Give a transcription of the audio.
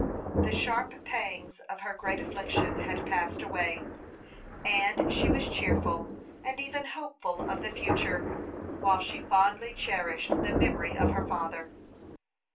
The sharp pangs of her great affliction had passed away, and she was cheerful, and even hopeful of the future, while she fondly cherished the memory of her father.